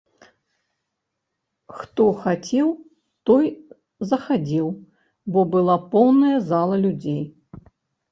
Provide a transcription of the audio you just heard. Хто хацеў, той захадзіў, бо была поўная зала людзей.